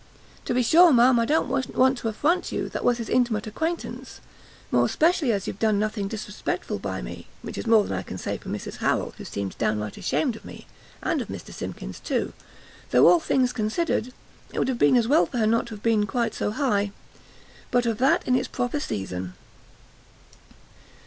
To be sure, ma'am, I don't want to affront you, that was his intimate acquaintance, more especially as you've done nothing disrespectful by me, which is more than I can say for Mrs Harrel, who seemed downright ashamed of me, and of Mr Simkins too, though all things considered, it would have been as well for her not to have been quite so high. But of that in its proper season!"